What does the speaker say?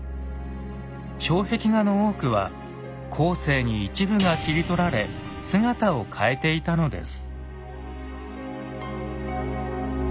障壁画の多くは後世に一部が切り取られ姿を変えていたのです。